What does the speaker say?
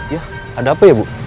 ya ada apa ya bu